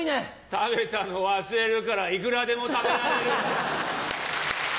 食べたの忘れるからいくらでも食べられるんじゃ。